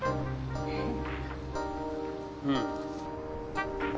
うん。